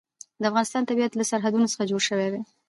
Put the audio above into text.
د افغانستان طبیعت له سرحدونه څخه جوړ شوی دی.